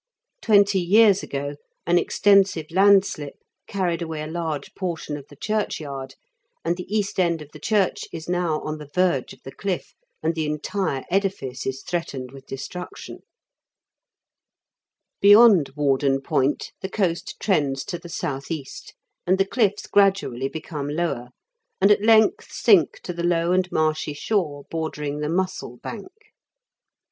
Twenty years ago, an extensive landslip carried away a large portion of the church ^ yard, and the east end of the church is now on the verge of the cliff, and the entire edifice is threatened with destruction. Beyond Warden Point the coast trends to the south east, and the cliffs gradually become o 2 i 84 IN KENT WITH 0EABLE8 DICKENS, lower, and at length sink to the low and marshy shore bordering the Muscle Bank.